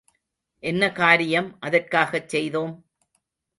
என்ன காரியம் அதற்காகச் செய்தோம்?